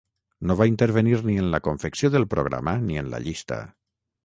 No va intervenir ni en la confecció del programa ni en la llista.